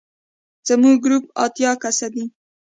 زموږ ګروپ اتیا کسه دی.